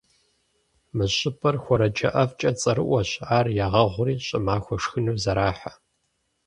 Мы щӏыпӏэр хуэрэджэ ӏэфӏкӏэ цӏэрыӏуэщ, ар ягъэгъури, щӏымахуэ шхыну зэрахьэ.